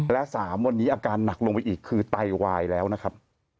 และ๓วันนี้อาการหนักลงไปอีกคือไตวายแล้วนะครับ